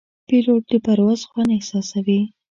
پیلوټ د پرواز خوند احساسوي.